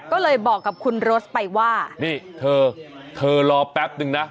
ก็เลยบอกกับคุณโรสไปว่านี่เธอเธอรอแป๊บนึงนะ